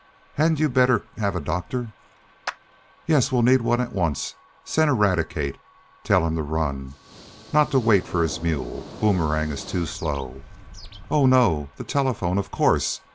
Hadn't you better have a doctor?" "Yes; we'll need one at once. Send Eradicate. Tell him to run not to wait for his mule Boomerang is too slow. Oh, no! The telephone, of course!